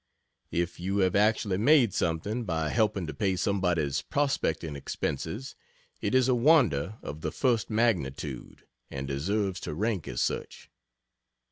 If you have actually made something by helping to pay somebody's prospecting expenses it is a wonder of the first magnitude, and deserves to rank as such.